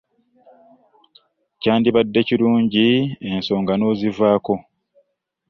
Kyandibadde kirungi ensonga n'ozivaamu.